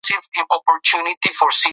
د چاپیریال ساتنه د ټولو مسؤلیت دی.